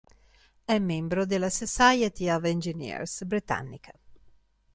È membro della Society of Engineers britannica.